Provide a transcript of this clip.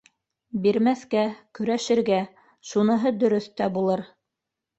Бирмәҫкә, көрәшергә, шуныһы дөрөҫ тә булыр.